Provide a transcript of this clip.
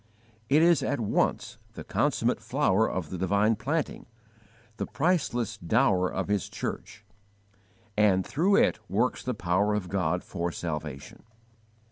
It is at once the consummate flower of the divine planting, the priceless dower of His church, and through it works the power of God for salvation.